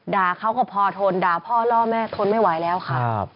ด่าเขาก็พอทนด่าพ่อล่อแม่ทนไม่ไหวแล้วค่ะ